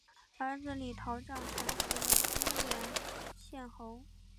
儿子李桃杖承袭了清渊县侯。